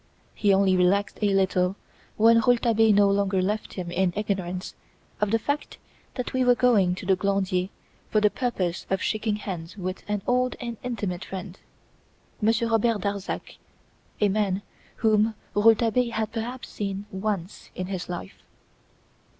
He only relaxed a little when Rouletabille no longer left him in ignorance of the fact that we were going to the Glandier for the purpose of shaking hands with an "old and intimate friend," Monsieur Robert Darzac a man whom Rouletabille had perhaps seen once in his life.